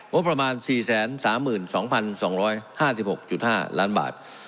ประมาณ๔๓๒๒๕๖๕ล้านบาท